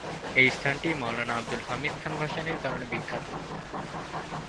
এই স্থানটি মওলানা আবদুল হামিদ খান ভাসানীর কারণে বিখ্যাত।